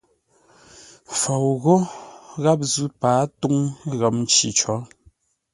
Fou ghó gháp zʉ́ pâa túŋ ghəm nci có.